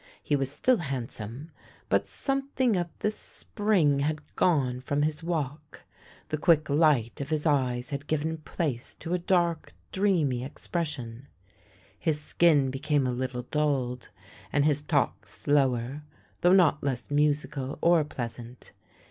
He was still handsome, but something of the spring had gone from his walk, the quick light of his eyes had given place to a dark, dreamy expression, his skin became a little dulled, and his talk slower, though not less musical or pleasant.